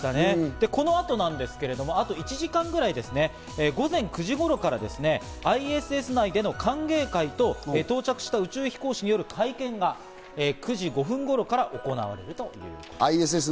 この後なんですけど、あと１時間ぐらい、午前９時頃からですね、ＩＳＳ内での歓迎会と到着した宇宙飛行士による会見が、９時５分頃から行われる予定ということです。